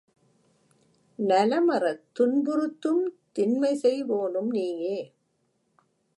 நலமறத் துன்பு றுத்தும் தின்மைசெய் வோனும் நீயே!